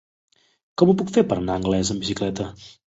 Com ho puc fer per anar a Anglès amb bicicleta?